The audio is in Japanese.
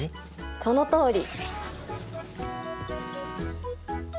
そのとおり！